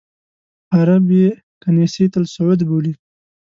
عرب یې کنیسۃ الصعود بولي.